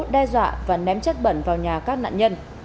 đe dọa và ném chất bẩn vào nhà các nạn nhân